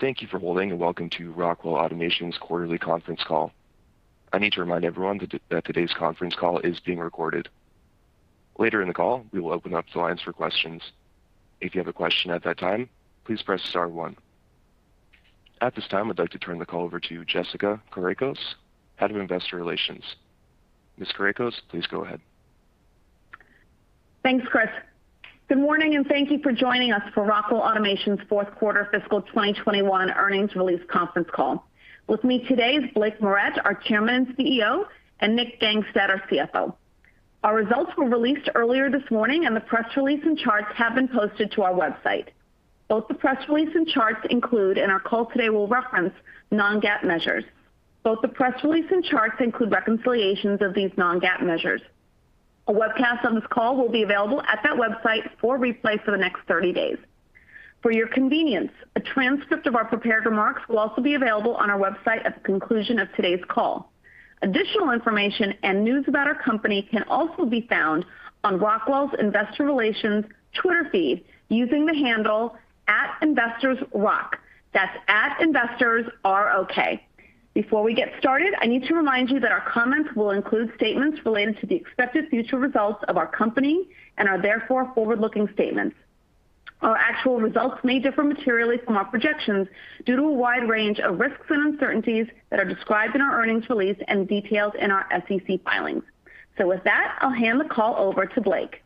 Thank you for holding, and welcome to Rockwell Automation's quarterly conference call. I need to remind everyone that today's conference call is being recorded. Later in the call, we will open up the lines for questions. If you have a question at that time, please press star one. At this time, I'd like to turn the call over to Jessica Kourakos, Head of Investor Relations. Ms. Kourakos, please go ahead. Thanks, Chris. Good morning, and thank you for joining us for Rockwell Automation's fourth quarter fiscal 2021 earnings release conference call. With me today is Blake Moret, our Chairman and CEO, and Nick Gangestad, our CFO. Our results were released earlier this morning, and the press release and charts have been posted to our website. Both the press release and charts include, and our call today will reference, non-GAAP measures. Both the press release and charts include reconciliations of these non-GAAP measures. A webcast of this call will be available at that website for replay for the next 30 days. For your convenience, a transcript of our prepared remarks will also be available on our website at the conclusion of today's call. Additional information and news about our company can also be found on Rockwell's Investor Relations Twitter feed using the handle @InvestorsROK. That's at investors R-O-K. Before we get started, I need to remind you that our comments will include statements related to the expected future results of our company and are therefore forward-looking statements. Our actual results may differ materially from our projections due to a wide range of risks and uncertainties that are described in our earnings release and detailed in our SEC filings. With that, I'll hand the call over to Blake.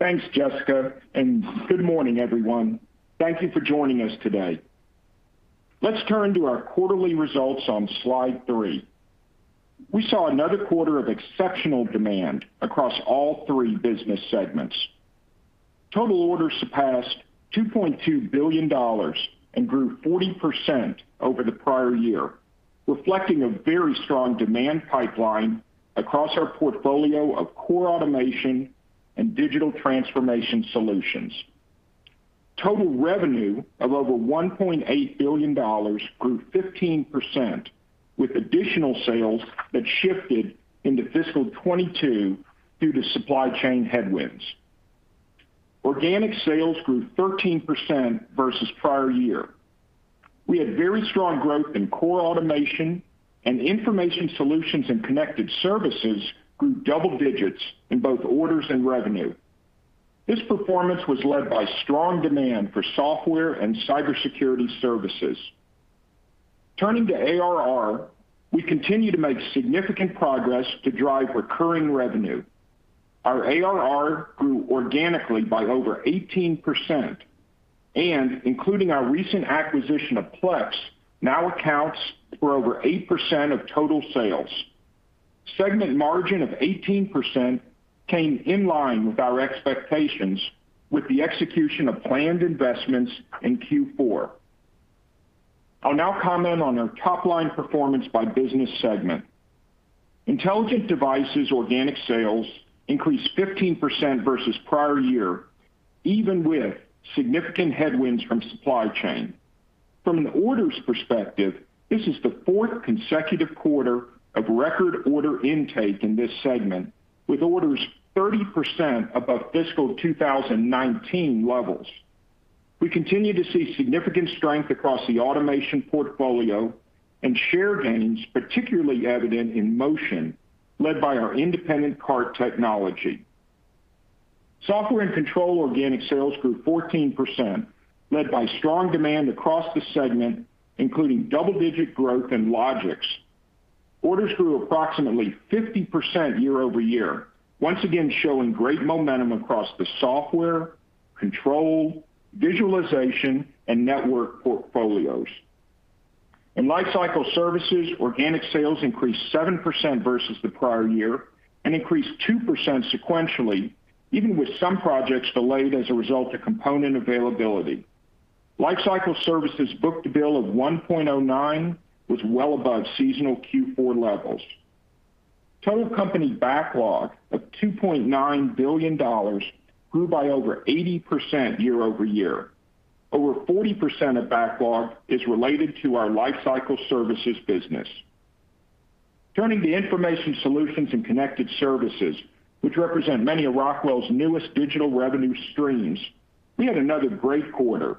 Thanks, Jessica, and good morning, everyone. Thank you for joining us today. Let's turn to our quarterly results on slide three. We saw another quarter of exceptional demand across all three business segments. Total orders surpassed $2.2 billion and grew 40% over the prior year, reflecting a very strong demand pipeline across our portfolio of core automation and digital transformation solutions. Total revenue of over $1.8 billion grew 15% with additional sales that shifted into fiscal 2022 due to supply chain headwinds. Organic sales grew 13% versus prior year. We had very strong growth in core automation and Information Solutions and Connected Services grew double digits in both orders and revenue. This performance was led by strong demand for software and cybersecurity services. Turning to ARR, we continue to make significant progress to drive recurring revenue. Our ARR grew organically by over 18% and including our recent acquisition of Plex, now accounts for over 8% of total sales. Segment margin of 18% came in line with our expectations with the execution of planned investments in Q4. I'll now comment on our top-line performance by business segment. Intelligent Devices organic sales increased 15% versus prior year, even with significant headwinds from supply chain. From an orders perspective, this is the fourth consecutive quarter of record order intake in this segment, with orders 30% above fiscal 2019 levels. We continue to see significant strength across the automation portfolio and share gains particularly evident in motion led by our independent cart technology. Software and Control organic sales grew 14%, led by strong demand across the segment, including double-digit growth in Logix. Orders grew approximately 50% year-over-year, once again showing great momentum across the software, control, visualization, and network portfolios. In lifecycle services, organic sales increased 7% versus the prior year and increased 2% sequentially, even with some projects delayed as a result of component availability. Lifecycle services book-to-bill of 1.09 was well above seasonal Q4 levels. Total company backlog of $2.9 billion grew by over 80% year-over-year. Over 40% of backlog is related to our lifecycle services business. Turning to Information Solutions and Connected Services, which represent many of Rockwell's newest digital revenue streams, we had another great quarter.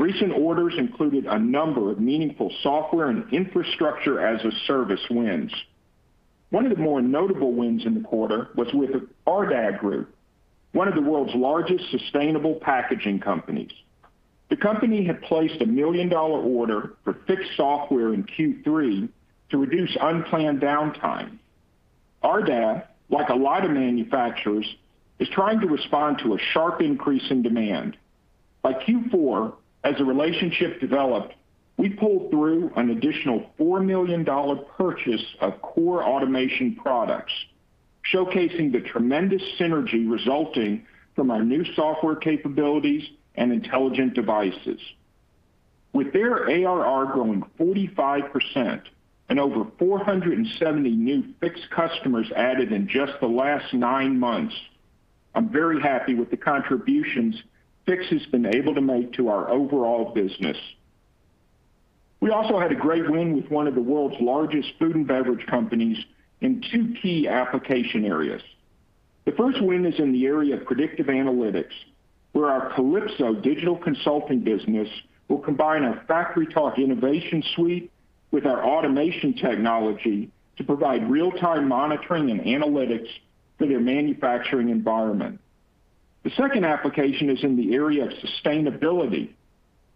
Recent orders included a number of meaningful software and Infrastructure-as-a-Service wins. One of the more notable wins in the quarter was with Ardagh Group, one of the world's largest sustainable packaging companies. The company had placed a $1 million order for Fiix software in Q3 to reduce unplanned downtime. Ardagh, like a lot of manufacturers, is trying to respond to a sharp increase in demand. By Q4, as the relationship developed, we pulled through an additional $4 million purchase of core automation products, showcasing the tremendous synergy resulting from our new software capabilities and intelligent devices. With their ARR growing 45% and over 470 new Fiix customers added in just the last nine months, I'm very happy with the contributions Fiix has been able to make to our overall business. We also had a great win with one of the world's largest food and beverage companies in two key application areas. The first win is in the area of predictive analytics, where our Kalypso digital consulting business will combine our FactoryTalk InnovationSuite with our automation technology to provide real-time monitoring and analytics for their manufacturing environment. The second application is in the area of sustainability,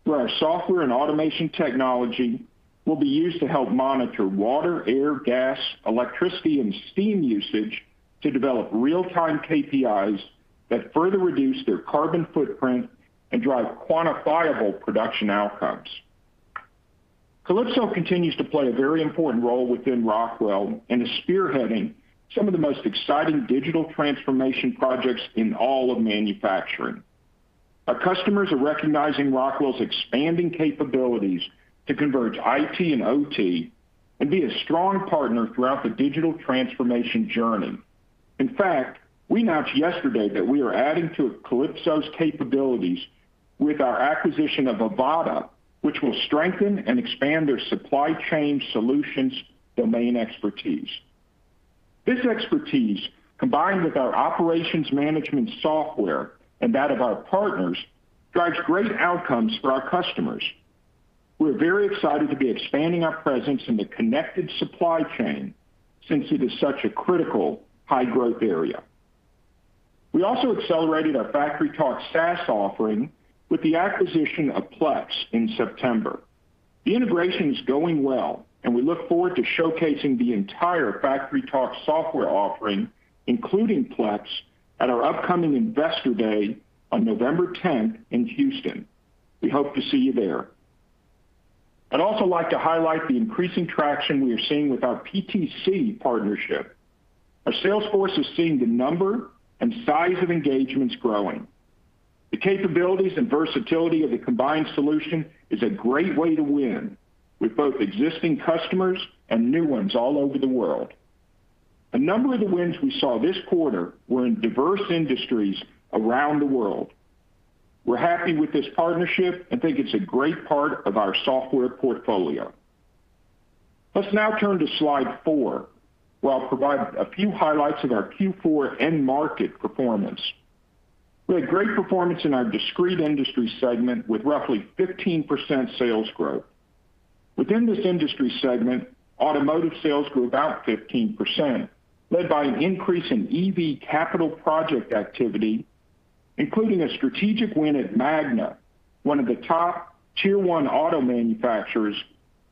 where our software and automation technology will be used to help monitor water, air, gas, electricity and steam usage to develop real-time KPIs that further reduce their carbon footprint and drive quantifiable production outcomes. Kalypso continues to play a very important role within Rockwell and is spearheading some of the most exciting digital transformation projects in all of manufacturing. Our customers are recognizing Rockwell's expanding capabilities to converge IT and OT and be a strong partner throughout the digital transformation journey. In fact, we announced yesterday that we are adding to Kalypso's capabilities with our acquisition of AVATA, which will strengthen and expand their supply chain solutions domain expertise. This expertise, combined with our operations management software and that of our partners, drives great outcomes for our customers. We're very excited to be expanding our presence in the connected supply chain since it is such a critical high-growth area. We also accelerated our FactoryTalk SaaS offering with the acquisition of Plex in September. The integration is going well and we look forward to showcasing the entire FactoryTalk software offering, including Plex, at our upcoming Investor Day on November 10th in Houston. We hope to see you there. I'd also like to highlight the increasing traction we are seeing with our PTC partnership. Our sales force is seeing the number and size of engagements growing. The capabilities and versatility of the combined solution is a great way to win with both existing customers and new ones all over the world. A number of the wins we saw this quarter were in diverse industries around the world. We're happy with this partnership and think it's a great part of our software portfolio. Let's now turn to slide four, where I'll provide a few highlights of our Q4 end market performance. We had great performance in our discrete industry segment with roughly 15% sales growth. Within this industry segment, automotive sales grew about 15%, led by an increase in EV capital project activity, including a strategic win at Magna, one of the top Tier 1 auto manufacturers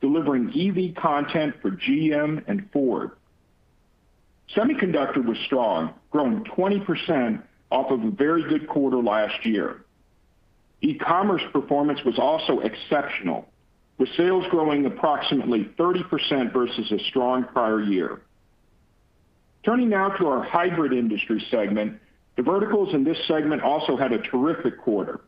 delivering EV content for GM and Ford. Semiconductor was strong, growing 20% off of a very good quarter last year. E-commerce performance was also exceptional, with sales growing approximately 30% versus a strong prior year. Turning now to our hybrid industry segment, the verticals in this segment also had a terrific quarter.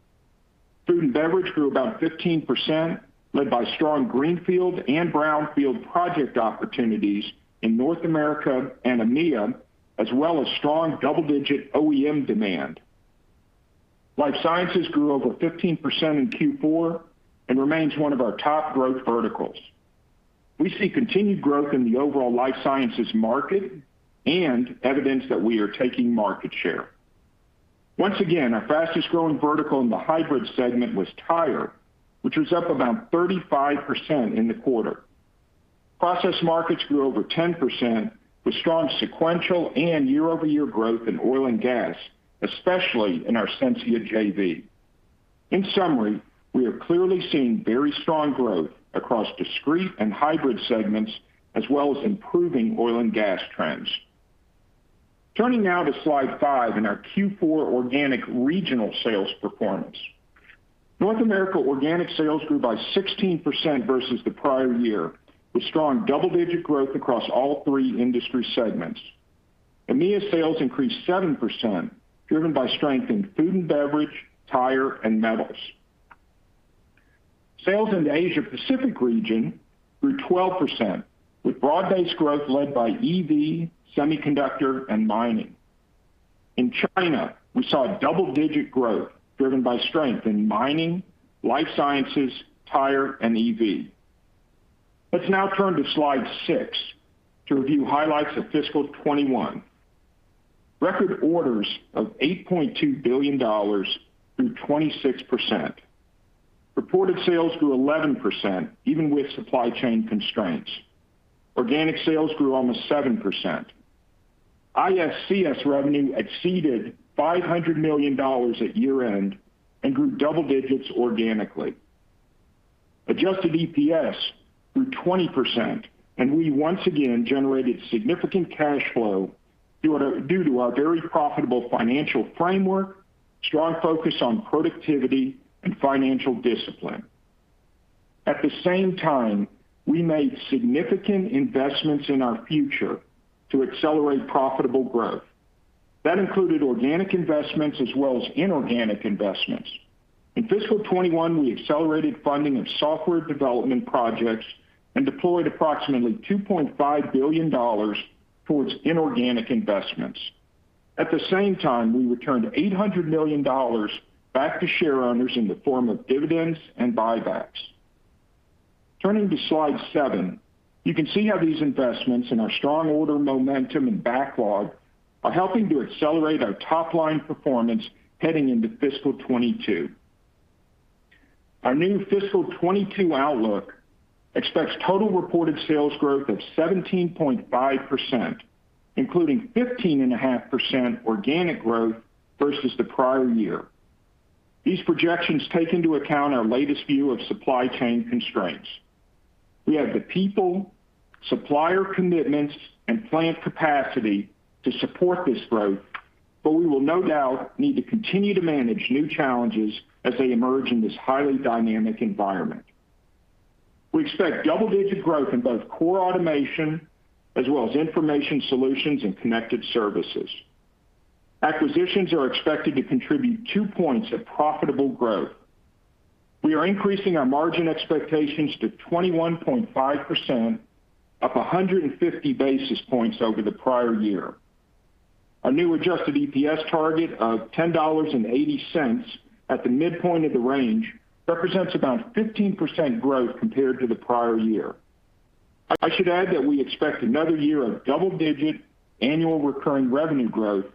Food and beverage grew about 15%, led by strong greenfield and brownfield project opportunities in North America and EMEA, as well as strong double-digit OEM demand. Life sciences grew over 15% in Q4 and remains one of our top growth verticals. We see continued growth in the overall life sciences market and evidence that we are taking market share. Once again, our fastest growing vertical in the hybrid segment was tire, which was up about 35% in the quarter. Process markets grew over 10% with strong sequential and year-over-year growth in oil and gas, especially in our Sensia JV. In summary, we have clearly seen very strong growth across discrete and hybrid segments as well as improving oil and gas trends. Turning now to slide five and our Q4 organic regional sales performance. North America organic sales grew by 16% versus the prior year, with strong double-digit growth across all three industry segments. EMEA sales increased 7%, driven by strength in food and beverage, tire, and metals. Sales in the Asia Pacific region grew 12%, with broad-based growth led by EV, semiconductor, and mining. In China, we saw double-digit growth driven by strength in mining, life sciences, tire, and EV. Let's now turn to slide six to review highlights of fiscal 2021. Record orders of $8.2 billion grew 26%. Reported sales grew 11% even with supply chain constraints. Organic sales grew almost 7%. IS/CS revenue exceeded $500 million at year-end and grew double digits organically. Adjusted EPS grew 20% and we once again generated significant cash flow due to our very profitable financial framework, strong focus on productivity and financial discipline. At the same time, we made significant investments in our future to accelerate profitable growth. That included organic investments as well as inorganic investments. In fiscal 2021, we accelerated funding of software development projects and deployed approximately $2.5 billion towards inorganic investments. At the same time, we returned $800 million back to shareowners in the form of dividends and buybacks. Turning to slide seven, you can see how these investments and our strong order momentum and backlog are helping to accelerate our top line performance heading into fiscal 2022. Our new fiscal 2022 outlook expects total reported sales growth of 17.5%, including 15.5% organic growth versus the prior year. These projections take into account our latest view of supply chain constraints. We have the people, supplier commitments, and plant capacity to support this growth, but we will no doubt need to continue to manage new challenges as they emerge in this highly dynamic environment. We expect double-digit growth in both core automation as well as Information Solutions and Connected Services. Acquisitions are expected to contribute 2 points of profitable growth. We are increasing our margin expectations to 21.5%, up 150 basis points over the prior year. Our new adjusted EPS target of $10.80 at the midpoint of the range represents about 15% growth compared to the prior year. I should add that we expect another year of double-digit annual recurring revenue growth,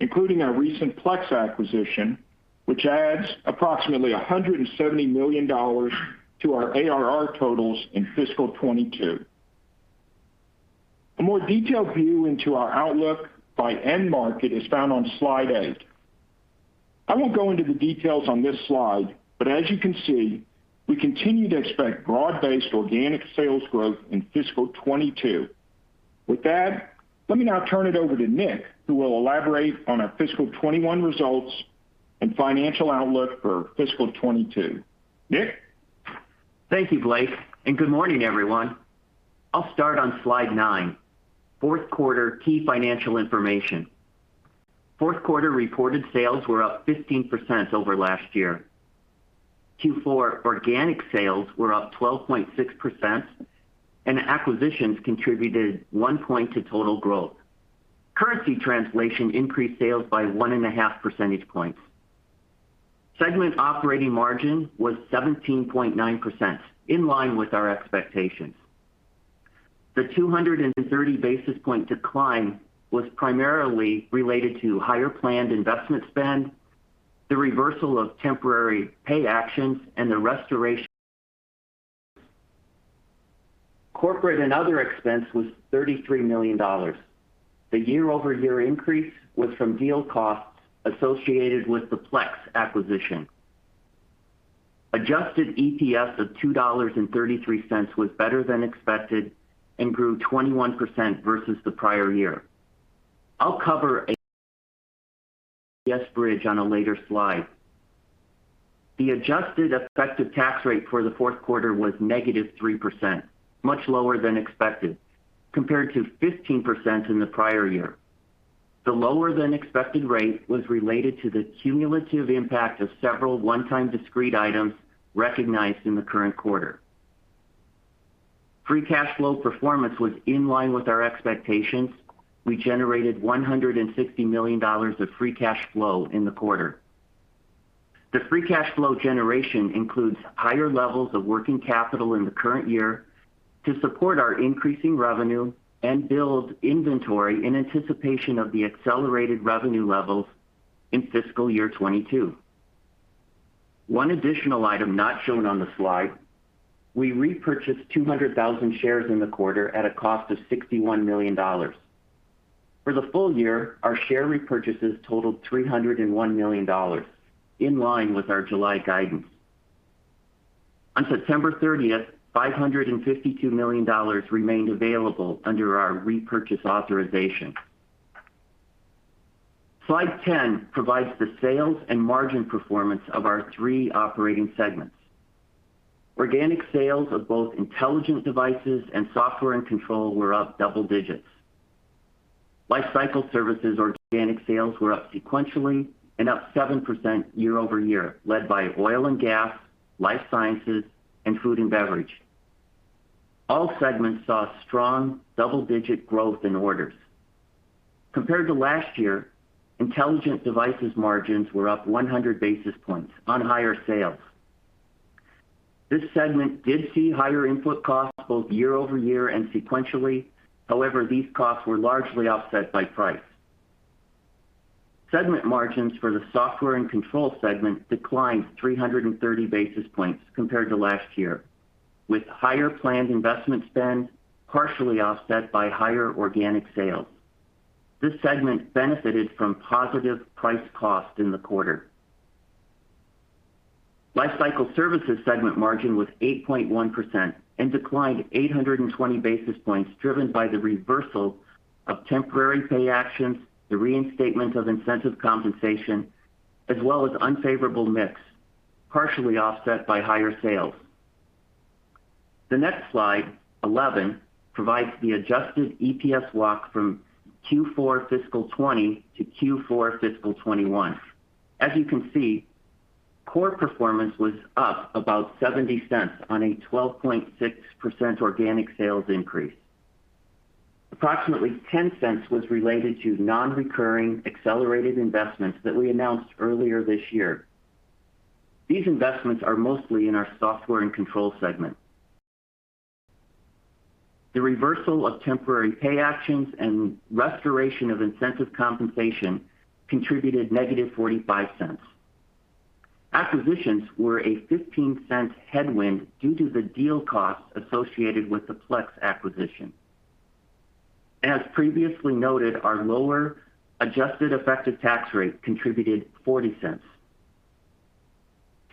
including our recent Plex acquisition, which adds approximately $170 million to our ARR totals in fiscal 2022. A more detailed view into our outlook by end market is found on slide eight. I won't go into the details on this slide, but as you can see, we continue to expect broad-based organic sales growth in fiscal 2022. With that, let me now turn it over to Nick, who will elaborate on our fiscal 2021 results and financial outlook for fiscal 2022. Nick? Thank you, Blake, and good morning, everyone. I'll start on slide nine, fourth quarter key financial information. Fourth quarter reported sales were up 15% over last year. Q4 organic sales were up 12.6%, and acquisitions contributed 1 point to total growth. Currency translation increased sales by 1.5 percentage points. Segment operating margin was 17.9%, in line with our expectations. The 230 basis point decline was primarily related to higher planned investment spend, the reversal of temporary pay actions, and the restoration. Corporate and other expense was $33 million. The year-over-year increase was from deal costs associated with the Plex acquisition. Adjusted EPS of $2.33 was better than expected and grew 21% versus the prior year. I'll cover an EPS bridge on a later slide. The adjusted effective tax rate for the fourth quarter was negative 3%, much lower than expected, compared to 15% in the prior year. The lower than expected rate was related to the cumulative impact of several 1x discrete items recognized in the current quarter. free cash flow performance was in line with our expectations. We generated $160 million of free cash flow in the quarter. The free cash flow generation includes higher levels of working capital in the current year to support our increasing revenue and build inventory in anticipation of the accelerated revenue levels in fiscal year 2022. One additional item not shown on the slide. We repurchased 200,000 shares in the quarter at a cost of $61 million. For the full year, our share repurchases totaled $301 million, in line with our July guidance. On September 30th, $552 million remained available under our repurchase authorization. Slide 10 provides the sales and margin performance of our three operating segments. Organic sales of both Intelligent Devices and Software and Control were up double digits. Lifecycle Services organic sales were up sequentially and up 7% year-over-year, led by oil and gas, life sciences, and food and beverage. All segments saw strong double-digit growth in orders. Compared to last year, Intelligent Devices margins were up 100 basis points on higher sales. This segment did see higher input costs both year-over-year and sequentially. However, these costs were largely offset by price. Segment margins for the Software and Control segment declined 330 basis points compared to last year, with higher planned investment spend partially offset by higher organic sales. This segment benefited from positive price cost in the quarter. Lifecycle services segment margin was 8.1% and declined 820 basis points, driven by the reversal of temporary pay actions, the reinstatement of incentive compensation, as well as unfavorable mix, partially offset by higher sales. The next slide, 11, provides the adjusted EPS walk from Q4 fiscal 2020 to Q4 fiscal 2021. As you can see, core performance was up about $0.70 on a 12.6% organic sales increase. Approximately $0.10 was related to non-recurring accelerated investments that we announced earlier this year. These investments are mostly in our software and control segment. The reversal of temporary pay actions and restoration of incentive compensation contributed -$0.45. Acquisitions were a $0.15 headwind due to the deal costs associated with the Plex acquisition. As previously noted, our lower adjusted effective tax rate contributed $0.40.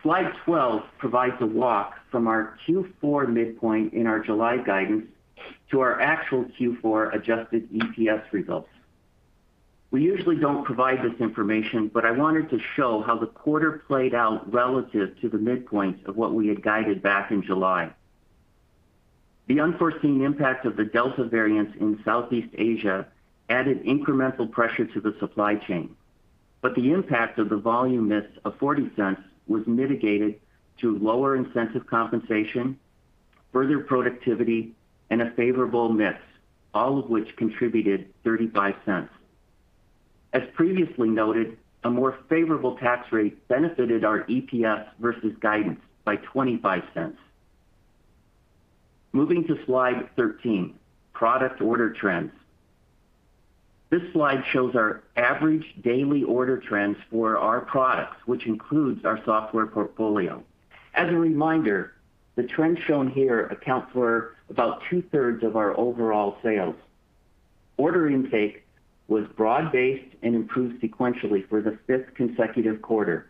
slide 12 provides a walk from our Q4 midpoint in our July guidance to our actual Q4 adjusted EPS results. We usually don't provide this information, but I wanted to show how the quarter played out relative to the midpoint of what we had guided back in July. The unforeseen impact of the Delta variants in Southeast Asia added incremental pressure to the supply chain. The impact of the volume miss of $0.40 was mitigated to lower incentive compensation, further productivity, and a favorable mix, all of which contributed $0.35. As previously noted, a more favorable tax rate benefited our EPS versus guidance by $0.25. Moving to slide 13, product order trends. This slide shows our average daily order trends for our products, which includes our software portfolio. As a reminder, the trend shown here accounts for about 2/3 of our overall sales. Order intake was broad-based and improved sequentially for the fifth consecutive quarter.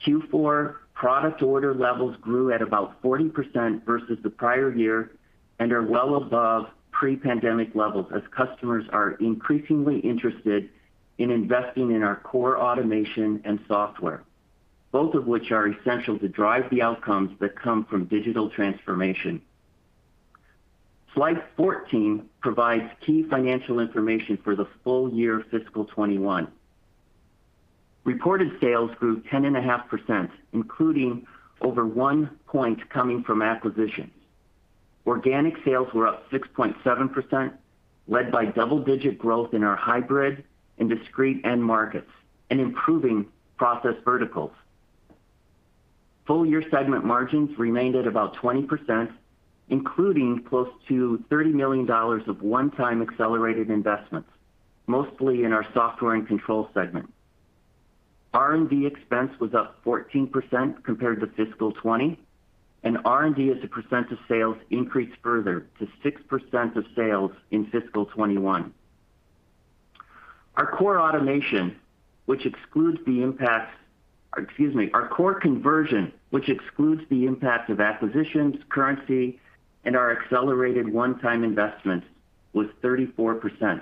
Q4 product order levels grew at about 40% versus the prior year and are well above pre-pandemic levels as customers are increasingly interested in investing in our core automation and software, both of which are essential to drive the outcomes that come from digital transformation. Slide 14 provides key financial information for the full year fiscal 2021. Reported sales grew 10.5%, including over 1 point coming from acquisitions. Organic sales were up 6.7%, led by double-digit growth in our hybrid and discrete end markets and improving process verticals. Full year segment margins remained at about 20%, including close to $30 million of 1x accelerated investments, mostly in our software and control segment. R&D expense was up 14% compared to fiscal 2020, and R&D as a percent of sales increased further to 6% of sales in fiscal 2021. Our core conversion, which excludes the impact of acquisitions, currency, and our accelerated 1x investment, was 34%.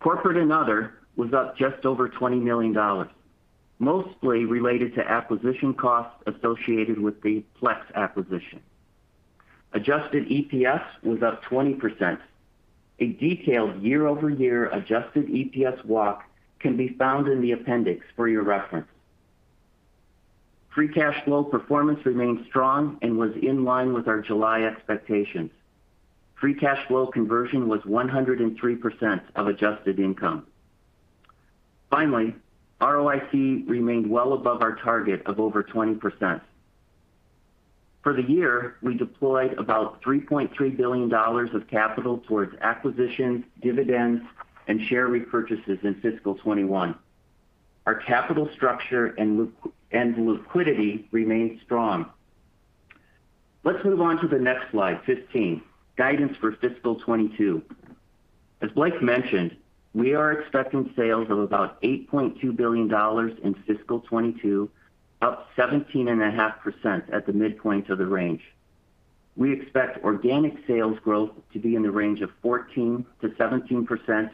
Corporate and other was up just over $20 million, mostly related to acquisition costs associated with the Plex acquisition. Adjusted EPS was up 20%. A detailed year-over-year adjusted EPS walk can be found in the appendix for your reference. free cash flow performance remained strong and was in line with our July expectations. free cash flow conversion was 103% of adjusted income. Finally, ROIC remained well above our target of over 20%. For the year, we deployed about $3.3 billion of capital towards acquisitions, dividends, and share repurchases in fiscal 2021. Our capital structure and liquidity remains strong. Let's move on to the next slide, 15, guidance for fiscal 2022. As Blake mentioned, we are expecting sales of about $8.2 billion in fiscal 2022, up 17.5% at the midpoint of the range. We expect organic sales growth to be in the range of 14%-17%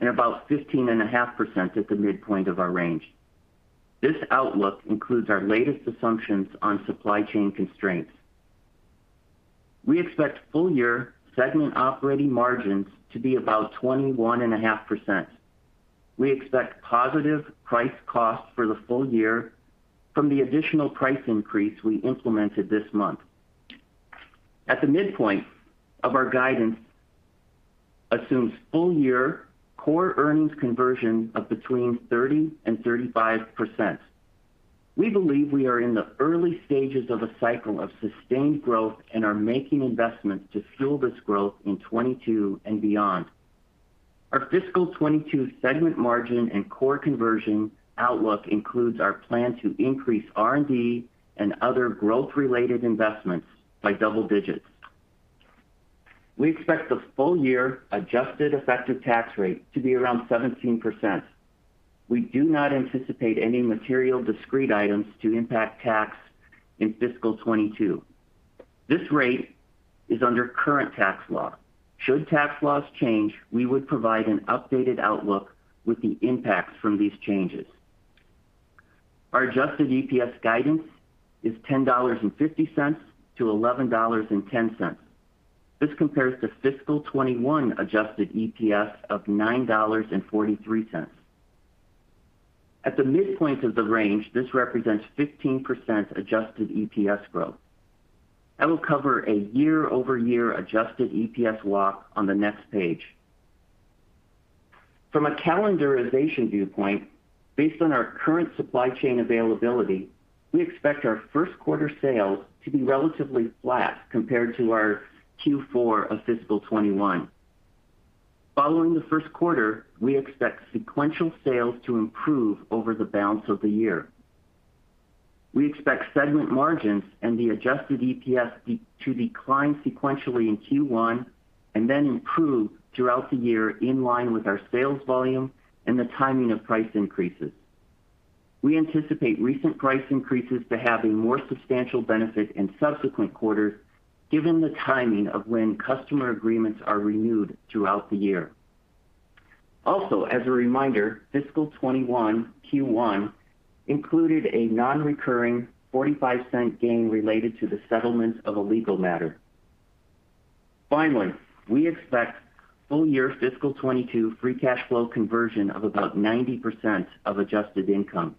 and about 15.5% at the midpoint of our range. This outlook includes our latest assumptions on supply chain constraints. We expect full year segment operating margins to be about 21.5%. We expect positive price cost for the full year from the additional price increase we implemented this month. At the midpoint of our guidance assumes full year core earnings conversion of between 30%-35%. We believe we are in the early stages of a cycle of sustained growth and are making investments to fuel this growth in 2022 and beyond. Our fiscal 2022 segment margin and core conversion outlook includes our plan to increase R&D and other growth-related investments by double digits. We expect the full year adjusted effective tax rate to be around 17%. We do not anticipate any material discrete items to impact tax in fiscal 2022. This rate is under current tax law. Should tax laws change, we would provide an updated outlook with the impacts from these changes. Our adjusted EPS guidance is $10.50-$11.10. This compares to fiscal 2021 adjusted EPS of $9.43. At the midpoint of the range, this represents 15% adjusted EPS growth. I will cover a year-over-year adjusted EPS walk on the next page. From a calendarization viewpoint, based on our current supply chain availability, we expect our first quarter sales to be relatively flat compared to our Q4 of fiscal 2021. Following the first quarter, we expect sequential sales to improve over the balance of the year. We expect segment margins and the adjusted EPS to decline sequentially in Q1 and then improve throughout the year in line with our sales volume and the timing of price increases. We anticipate recent price increases to have a more substantial benefit in subsequent quarters given the timing of when customer agreements are renewed throughout the year. Also, as a reminder, fiscal 2021 Q1 included a non-recurring $0.45 gain related to the settlement of a legal matter. Finally, we expect full year fiscal 2022 free cash flow conversion of about 90% of adjusted income.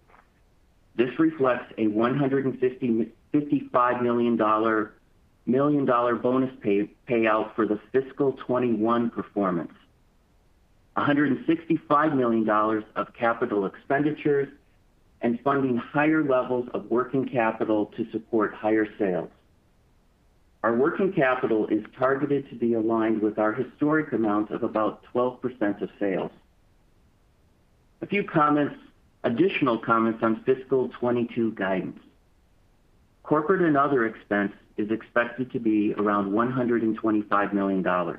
This reflects a $155 million bonus payout for the fiscal 2021 performance, $165 million of capital expenditures and funding higher levels of working capital to support higher sales. Our working capital is targeted to be aligned with our historic amount of about 12% of sales. A few additional comments on fiscal 2022 guidance. Corporate and other expense is expected to be around $125 million.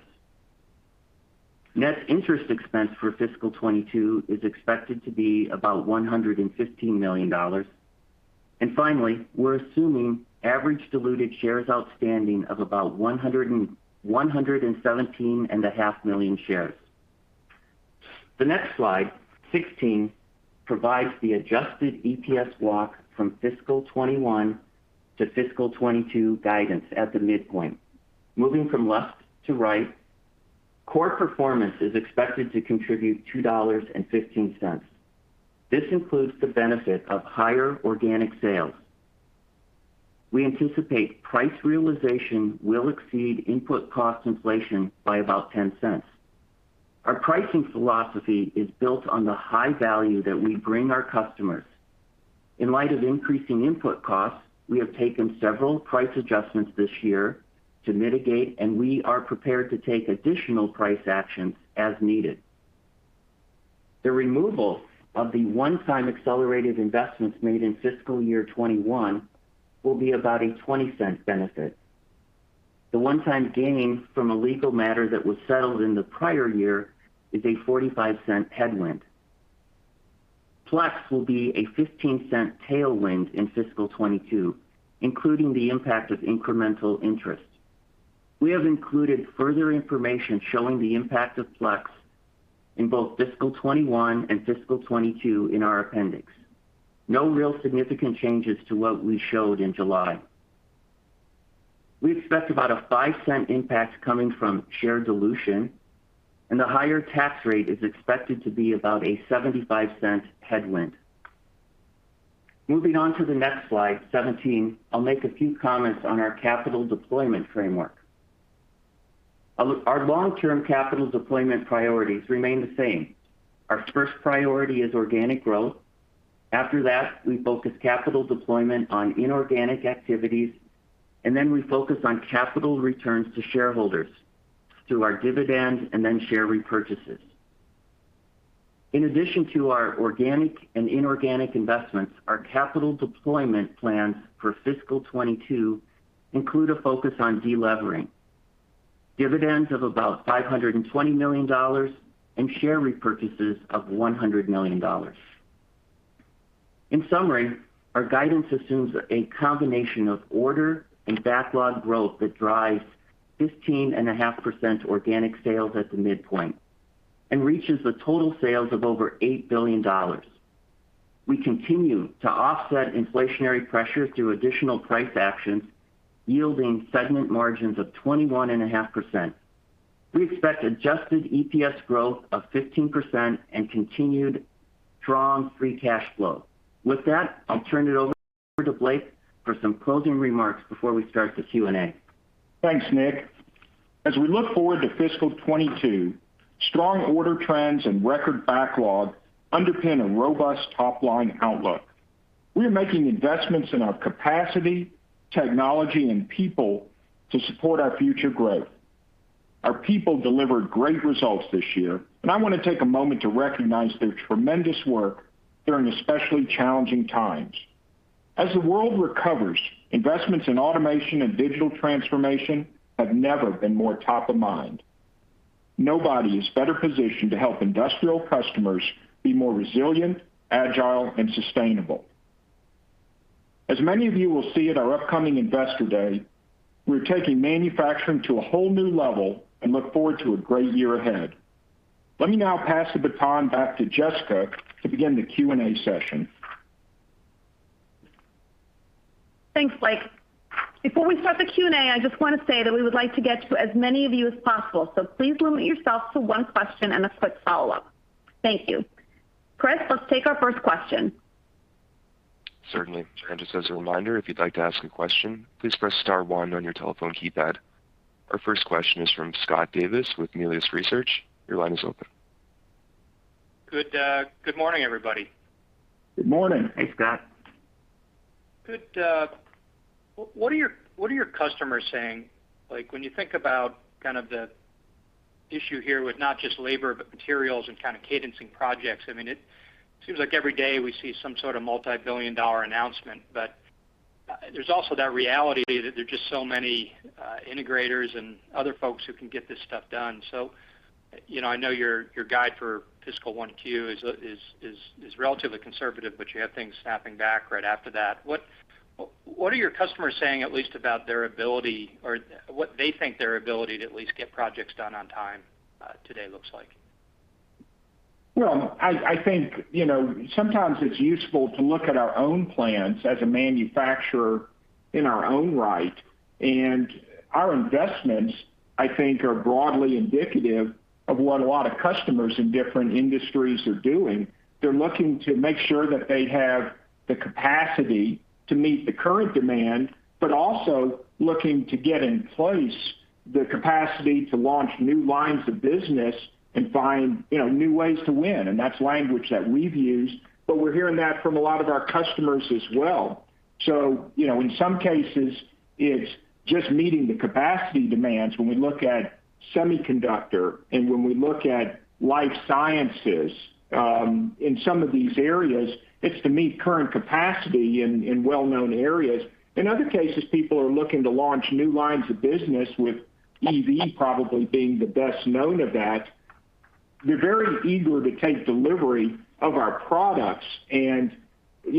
Net interest expense for fiscal 2022 is expected to be about $115 million. Finally, we're assuming average diluted shares outstanding of about 117.5 million shares. The next slide, 16, provides the adjusted EPS walk from fiscal 2021 to fiscal 2022 guidance at the midpoint. Moving from left to right, core performance is expected to contribute $2.15. This includes the benefit of higher organic sales. We anticipate price realization will exceed input cost inflation by about $0.10. Our pricing philosophy is built on the high value that we bring our customers. In light of increasing input costs, we have taken several price adjustments this year to mitigate, and we are prepared to take additional price actions as needed. The removal of the 1x accelerated investments made in fiscal year 2021 will be about a $0.20 benefit. The 1x gain from a legal matter that was settled in the prior year is a $0.45 headwind. Plex will be a $0.15 tailwind in fiscal 2022, including the impact of incremental interest. We have included further information showing the impact of Plex in both fiscal 2021 and fiscal 2022 in our appendix. No real significant changes to what we showed in July. We expect about a $0.05 impact coming from share dilution, and the higher tax rate is expected to be about a $0.75 headwind. Moving on to the next slide 17, I'll make a few comments on our capital deployment framework. Our long-term capital deployment priorities remain the same. Our first priority is organic growth. After that, we focus capital deployment on inorganic activities, and then we focus on capital returns to shareholders through our dividends and then share repurchases. In addition to our organic and inorganic investments, our capital deployment plans for fiscal 2022 include a focus on delevering. Dividends of about $520 million and share repurchases of $100 million. In summary, our guidance assumes a combination of order and backlog growth that drives 15.5% organic sales at the midpoint and reaches the total sales of over $8 billion. We continue to offset inflationary pressures through additional price actions, yielding segment margins of 21.5%. We expect adjusted EPS growth of 15% and continued strong free cash flow. With that, I'll turn it over to Blake for some closing remarks before we start the Q&A. Thanks, Nick. As we look forward to fiscal 2022, strong order trends and record backlog underpin a robust top-line outlook. We are making investments in our capacity, technology, and people to support our future growth. Our people delivered great results this year, and I want to take a moment to recognize their tremendous work during especially challenging times. As the world recovers, investments in automation and digital transformation have never been more top of mind. Nobody is better positioned to help industrial customers be more resilient, agile, and sustainable. As many of you will see at our upcoming Investor Day, we're taking manufacturing to a whole new level and look forward to a great year ahead. Let me now pass the baton back to Jessica to begin the Q&A session. Thanks, Blake. Before we start the Q&A, I just want to say that we would like to get to as many of you as possible, so please limit yourself to one question and a quick follow-up. Thank you. Chris, let's take our first question. Certainly. Just as a reminder, if you'd like to ask a question, please press star one on your telephone keypad. Our first question is from Scott Davis with Melius Research. Your line is open. Good morning, everybody. Good morning. Hey, Scott. Good, what are your customers saying, like, when you think about kind of the issue here with not just labor, but materials and kind of cadencing projects? I mean, it seems like every day we see some sort of multi-billion-dollar announcement. There's also that reality that there's just so many integrators and other folks who can get this stuff done. You know, I know your guide for fiscal 1Q is relatively conservative, but you have things snapping back right after that. What are your customers saying at least about their ability or what they think their ability to at least get projects done on time today looks like? Well, I think, you know, sometimes it's useful to look at our own plans as a manufacturer in our own right. Our investments, I think, are broadly indicative of what a lot of customers in different industries are doing. They're looking to make sure that they have the capacity to meet the current demand, but also looking to get in place the capacity to launch new lines of business and find, you know, new ways to win. That's language that we've used, but we're hearing that from a lot of our customers as well. You know, in some cases, it's just meeting the capacity demands when we look at semiconductor and when we look at life sciences. In some of these areas, it's to meet current capacity in well-known areas. In other cases, people are looking to launch new lines of business with EV probably being the best known of that. They're very eager to take delivery of our products. You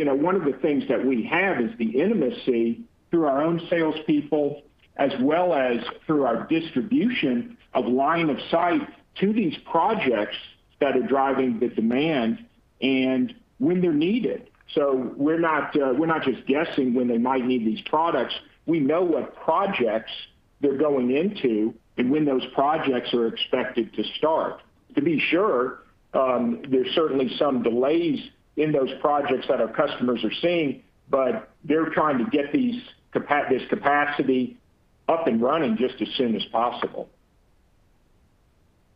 know, one of the things that we have is the intimacy through our own salespeople, as well as through our distribution of line of sight to these projects that are driving the demand and when they're needed. We're not just guessing when they might need these products. We know what projects they're going into and when those projects are expected to start. To be sure, there's certainly some delays in those projects that our customers are seeing, but they're trying to get this capacity up and running just as soon as possible.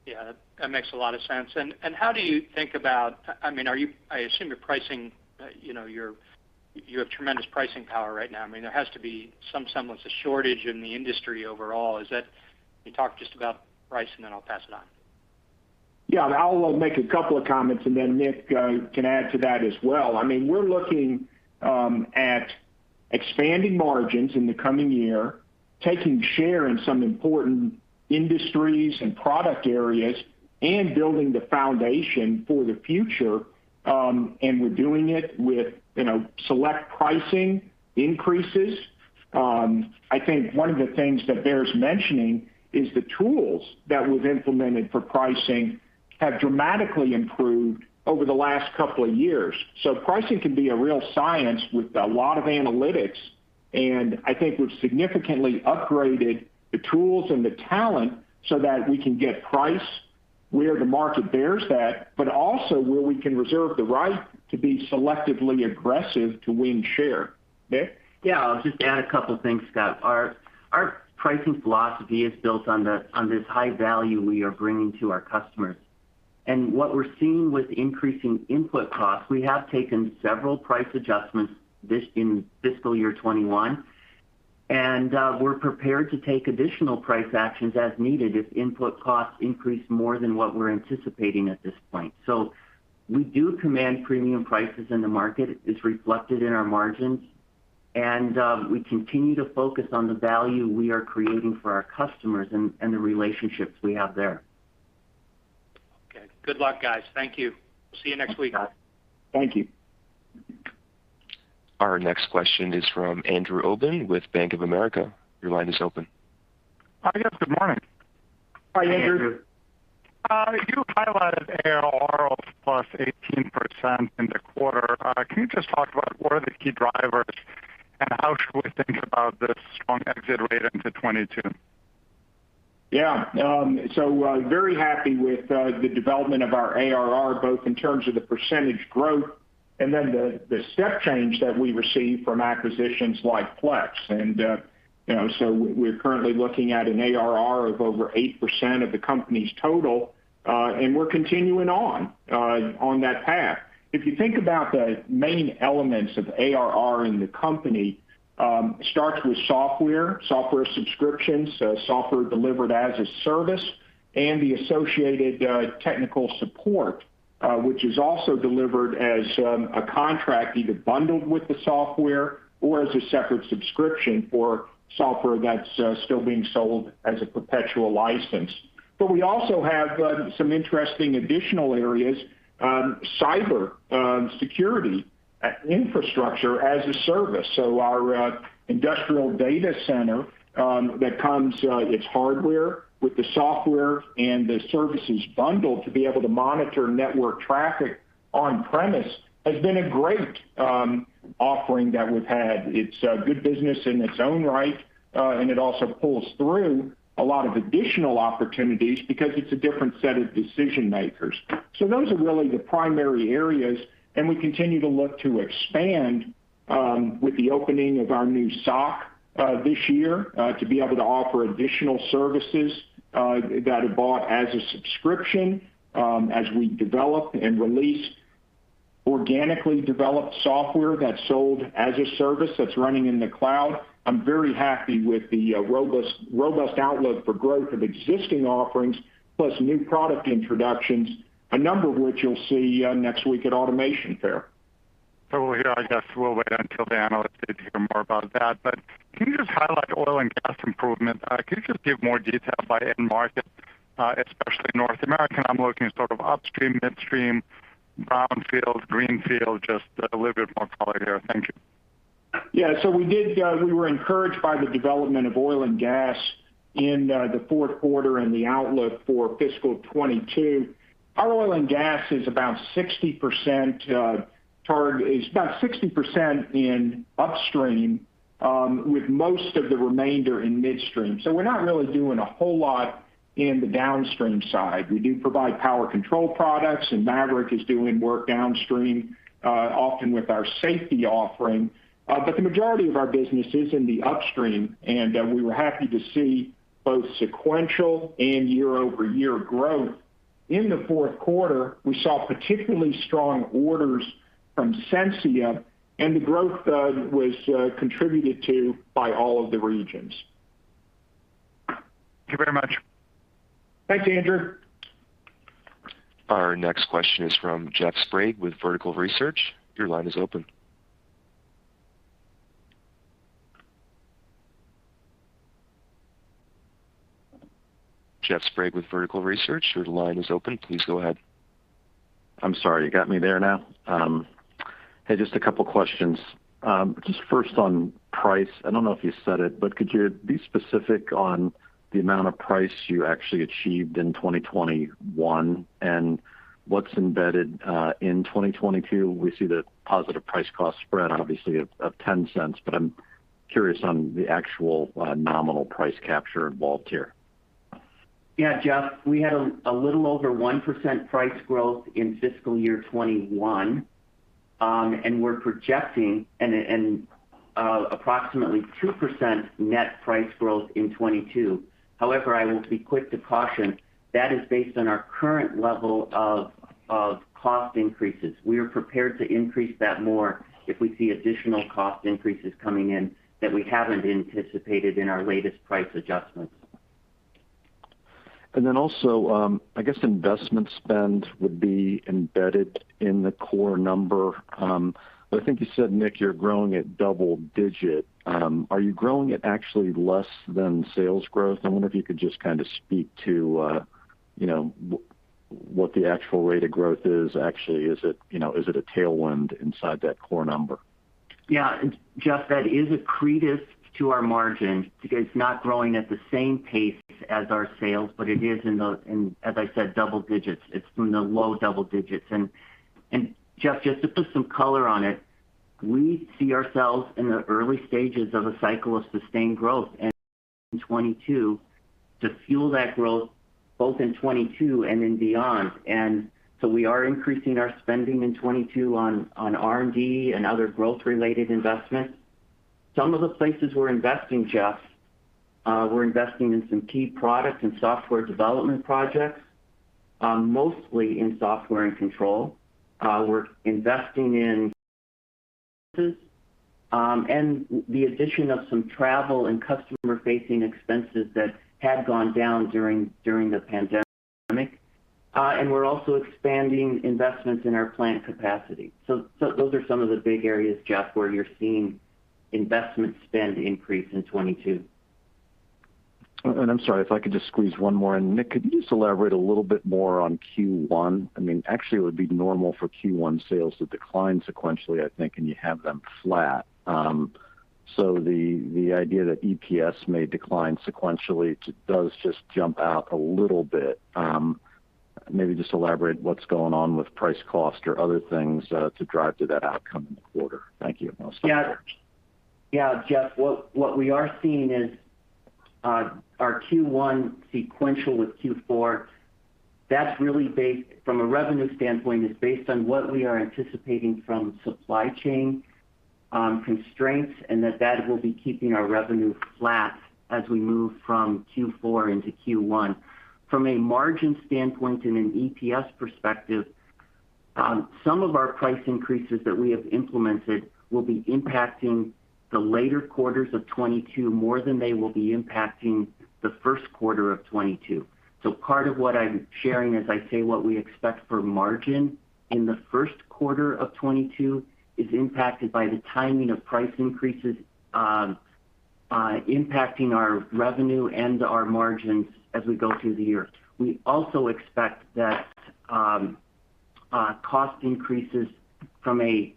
Yeah. That makes a lot of sense. How do you think about? I mean, I assume your pricing, you know, you have tremendous pricing power right now. I mean, there has to be some semblance of shortage in the industry overall. Is that? Can you talk just about price, and then I'll pass it on? I'll make a couple of comments, and then Nick can add to that as well. I mean, we're looking at expanding margins in the coming year, taking share in some important industries and product areas, and building the foundation for the future. We're doing it with, you know, select pricing increases. I think one of the things that bears mentioning is the tools that we've implemented for pricing have dramatically improved over the last couple of years. Pricing can be a real science with a lot of analytics, and I think we've significantly upgraded the tools and the talent so that we can get price where the market bears that, but also where we can reserve the right to be selectively aggressive to win share. Nick? Yeah. I'll just add a couple things, Scott. Our pricing philosophy is built on this high value we are bringing to our customers. What we're seeing with increasing input costs, we have taken several price adjustments in fiscal year 2021, and we're prepared to take additional price actions as needed if input costs increase more than what we're anticipating at this point. We do command premium prices in the market. It's reflected in our margins, and we continue to focus on the value we are creating for our customers and the relationships we have there. Okay. Good luck, guys. Thank you. See you next week. Thanks, Scott. Thank you. Our next question is from Andrew Obin with Bank of America. Your line is open. Hi, guys. Good morning. Hi, Andrew. Hi, Andrew. You highlighted ARR of +18% in the quarter. Can you just talk about what are the key drivers, and how should we think about this strong exit rate into 2022? Very happy with the development of our ARR, both in terms of the percentage growth and then the step change that we received from acquisitions like Plex. You know, we're currently looking at an ARR of over 8% of the company's total, and we're continuing on that path. If you think about the main elements of ARR in the company, starts with software subscriptions, so software delivered as a service, and the associated technical support, which is also delivered as a contract either bundled with the software or as a separate subscription for software that's still being sold as a perpetual license. We also have some interesting additional areas, cyber security at infrastructure as a service. Our industrial data center that comes, it's hardware with the software and the services bundle to be able to monitor network traffic on premise has been a great offering that we've had. It's a good business in its own right, and it also pulls through a lot of additional opportunities because it's a different set of decision makers. Those are really the primary areas, and we continue to look to expand with the opening of our new SOC this year to be able to offer additional services that are bought as a subscription as we develop and release organically developed software that's sold as a service that's running in the cloud. I'm very happy with the robust outlook for growth of existing offerings plus new product introductions, a number of which you'll see next week at Automation Fair. We'll hear. I guess we'll wait until the analysts to hear more about that. Can you just highlight oil and gas improvement? Can you just give more detail by end market, especially North America? I'm looking sort of upstream, midstream, brownfield, greenfield, just a little bit more color here. Thank you. We were encouraged by the development of oil and gas in the fourth quarter and the outlook for fiscal 2022. Our oil and gas is about 60% in upstream, with most of the remainder in midstream. We're not really doing a whole lot in the downstream side. We do provide power control products, and Maverick is doing work downstream, often with our safety offering. The majority of our business is in the upstream, and we were happy to see both sequential and year-over-year growth. In the fourth quarter, we saw particularly strong orders from Sensia, and the growth was contributed to by all of the regions. Thank you very much. Thanks, Andrew. Our next question is from Jeff Sprague with Vertical Research. Your line is open. Jeff Sprague with Vertical Research, your line is open. Please go ahead. I'm sorry. You got me there now? Hey, just a couple questions. Just first on price. I don't know if you said it, but could you be specific on the amount of price you actually achieved in 2021 and what's embedded in 2022? We see the positive price cost spread obviously of $0.10, but I'm curious on the actual nominal price capture involved here. Yeah, Jeff. We had a little over 1% price growth in fiscal year 2021. We're projecting approximately 2% net price growth in 2022. However, I will be quick to caution that is based on our current level of cost increases. We are prepared to increase that more if we see additional cost increases coming in that we haven't anticipated in our latest price adjustments. I guess investment spend would be embedded in the core number. But I think you said, Nick, you're growing at double-digit. Are you growing at actually less than sales growth? I wonder if you could just kind of speak to, you know, what the actual rate of growth is actually. Is it, you know, is it a tailwind inside that core number? Yeah. Jeff, that is accretive to our margin. It's not growing at the same pace as our sales, but it is in the, as I said, double digits. It's in the low double digits. Jeff, just to put some color on it, we see ourselves in the early stages of a cycle of sustained growth in 2022 to fuel that growth both in 2022 and then beyond. We are increasing our spending in 2022 on R&D and other growth-related investments. Some of the places we're investing, Jeff, we're investing in some key products and software development projects, mostly in software and control. We're investing in and the addition of some travel and customer-facing expenses that had gone down during the pandemic. We're also expanding investments in our plant capacity. Those are some of the big areas, Jeff, where you're seeing investment spend increase in 2022. I'm sorry if I could just squeeze one more in. Nick, could you just elaborate a little bit more on Q1? I mean, actually, it would be normal for Q1 sales to decline sequentially, I think, and you have them flat. So the idea that EPS may decline sequentially does just jump out a little bit. Maybe just elaborate what's going on with price cost or other things to drive to that outcome in the quarter. Thank you. Jeff, what we are seeing is our Q1 sequential with Q4. That's really based, from a revenue standpoint, on what we are anticipating from supply chain constraints, and that will be keeping our revenue flat as we move from Q4 into Q1. From a margin standpoint and an EPS perspective, some of our price increases that we have implemented will be impacting the later quarters of 2022 more than they will be impacting the first quarter of 2022. Part of what I'm sharing as I say what we expect for margin in the first quarter of 2022 is impacted by the timing of price increases impacting our revenue and our margins as we go through the year. We also expect that cost increases from a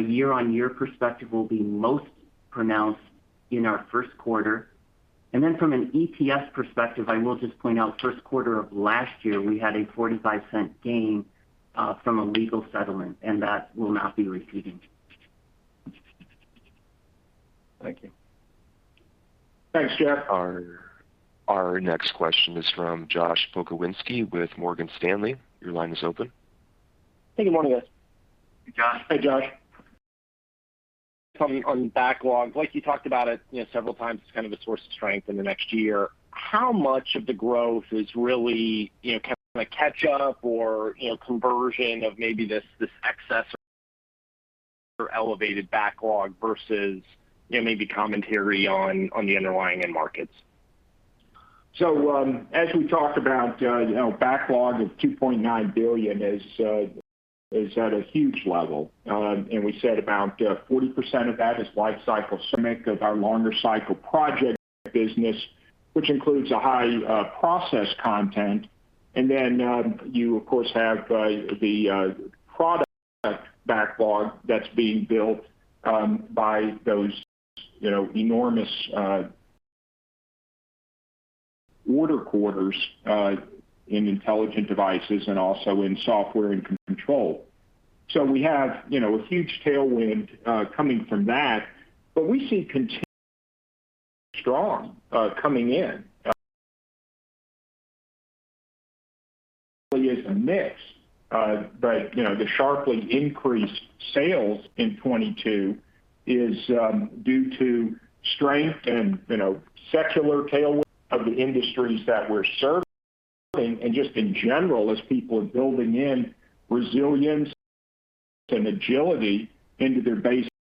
year-on-year perspective will be most pronounced in our first quarter. From an EPS perspective, I will just point out first quarter of last year, we had a $0.45 gain from a legal settlement, and that will not be repeating. Thank you. Thanks, Jeff. Our next question is from Josh Pokrzywinski with Morgan Stanley. Your line is open. Good morning, guys. Hey, Josh. On backlog, like you talked about it, you know, several times, it's kind of a source of strength in the next year. How much of the growth is really, you know, kind of a catch up or, you know, conversion of maybe this excess or elevated backlog versus, you know, maybe commentary on the underlying end markets? As we talked about, you know, backlog of $2.9 billion is at a huge level. We said about 40% of that is Lifecycle Services reflecting the strengthening dynamic of our longer cycle project business, which includes a high process content and then you, of course have to be product backlog that's being built by those enormous order quarters in Intelligent Devices and also in Software & Control so we have a huge tailwind coming from that. But we see continuing demand, the demand remained strong coming in and so which really is a mix, but the sharply increased sales in 2022 is due to strength, secular tailwinds, let's say, investment themes and a number of the industries that we're serving and just in general, as people are building in resilience and agility into their basic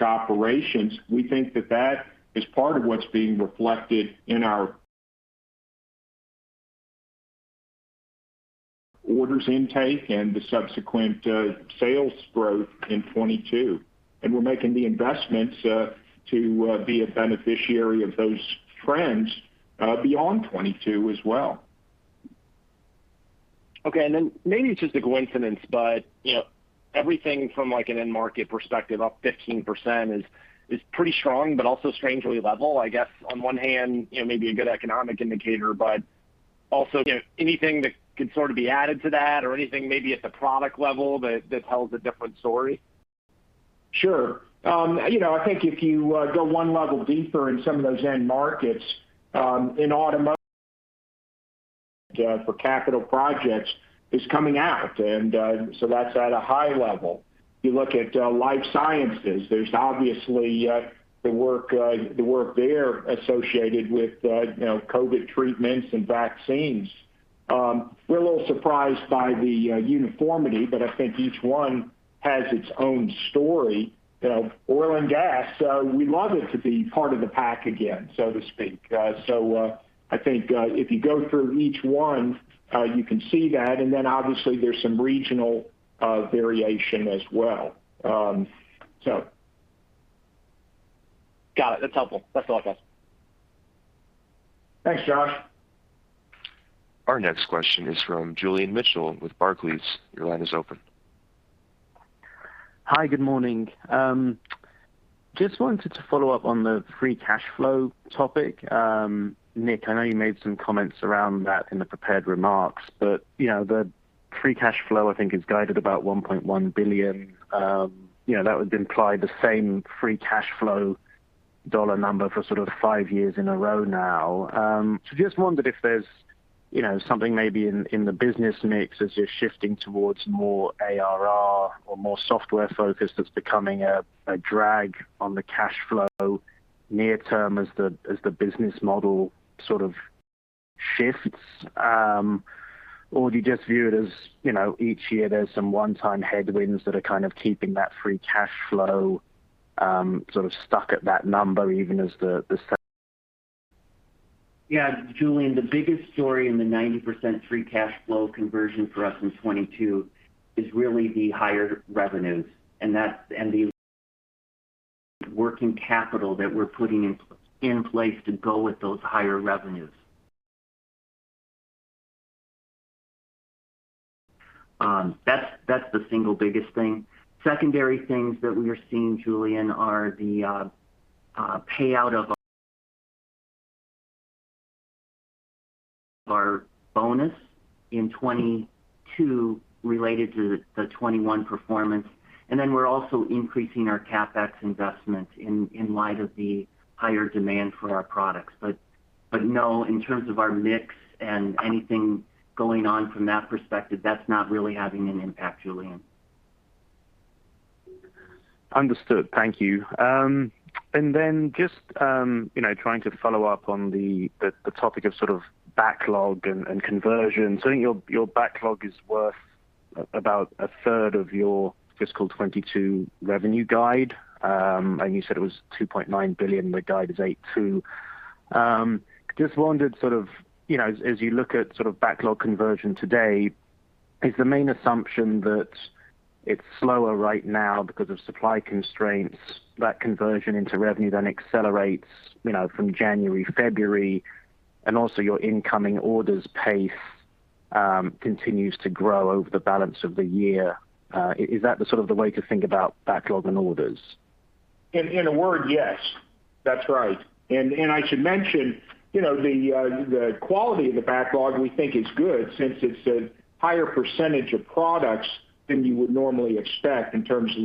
operations. We think that that is part of what's being reflected in our orders intake and the subsequent sales growth in 2022. And we're making the investments to be a beneficiary of those trends beyond 2022 as well. Okay. And then, maybe just a coincidence, but everything from an end market perspective up 15% is is pretty strong but also strangely level. I guess, on one hand maybe a good economic indicator by also says nothing at the end market basis sort of standing out. Is there anything that can be added to that or anything, maybe at the product level that tells a different story? Sure. I think if you go one level deeper in some of those end markets in automotive obviously, EV investment for capital projects is coming out. And so, that's at a high level. If you look at Life Sciences, there is obviously the work there associated with COVID treatments and vaccines. We're a little surprised by the uniformity, but I think each one has its own story. Oil and gas, we love it to be part of the pack again, so to speak. So I think if you go for each one you can see that, and then obviously there is some regional variation as well. Got it. That's helpful. That's all I got. Thanks Josh. Our next question is from Julian Mitchell with Barclays. Your line is open. Hi, good morning. I just wanted to follow up on the free cash flow topic. Nick, I know you made some comments around that in the prepared remarks, but the free cash flow, I think is guided about $1.1 billion, that would imply the same free cash flow dollar number for five years in a row now. So I just wondered if there's something maybe in the business mix is shifting toward more ARR or more software focused is becoming a drag on the cash flow near term, is that as the business model shifts or do you just view it as each year? There is some 1x headwinds that are keeping that free cash flow stuck at that number even as the sales and adjusted profit is growing? Yeah, Julian, the biggest story in the 90% free cash flow conversion for us in 2022 is really the higher revenues, and that's and the working capital that we're putting in place to go with those higher revenues. That's the single biggest thing. Secondary things that we are seeing, Julian, are the payout of our bonus in 2022 related to the 2021 performance. Then we're also increasing our CapEx investment in light of the higher demand for our products. No, in terms of our mix and anything going on from that perspective, that's not really having an impact, Julian. Understood. Thank you. Just, you know, trying to follow up on the topic of sort of backlog and conversion. I think your backlog is worth about 1/3 of your fiscal 2022 revenue guide. And you said it was $2.9 billion. The guide is $8.2 billion. Just wondered sort of, you know, as you look at sort of backlog conversion today, is the main assumption that it's slower right now because of supply constraints. That conversion into revenue then accelerates, you know, from January, February, and also your incoming orders pace continues to grow over the balance of the year. Is that the sort of the way to think about backlog and orders? In a word, yes. That's right. I should mention, you know, the quality of the backlog we think is good since it's a higher percentage of products than you would normally expect in terms of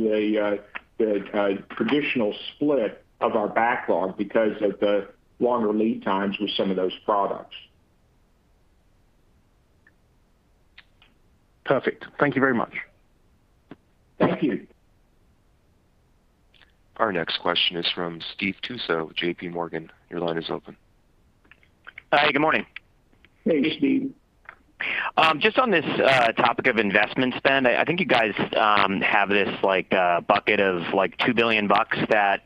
the traditional split of our backlog because of the longer lead times with some of those products. Perfect. Thank you very much. Thank you. Our next question is from Steve Tusa, JPMorgan. Your line is open. Hi, good morning. Hey, Steve. Just on this topic of investment spend, I think you guys have this like bucket of like $2 billion that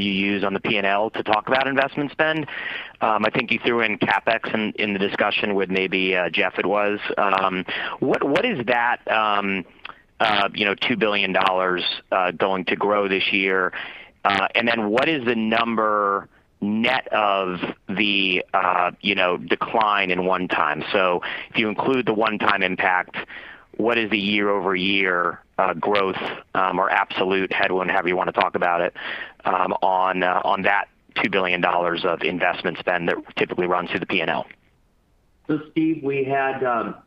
you use on the P&L to talk about investment spend. I think you threw in CapEx in the discussion with maybe Jeff it was. What is that, you know, $2 billion going to grow this year? And then what is the number net of the you know decline in 1x? So if you include the 1x impact, what is the year-over-year growth or absolute headwind, however you wanna talk about it, on that $2 billion of investment spend that typically runs through the P&L? Steve, we had